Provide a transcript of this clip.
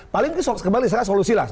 paling kembali saya solusi lah